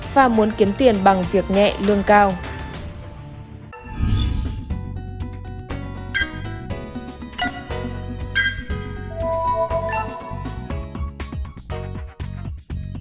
và muốn kiếm tiền bằng việc nhẹ lương cao